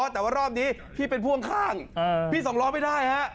แต่ว่ารอบนี้พี่เป็นพ่วงข้างพี่สองล้อไม่ได้ฮะ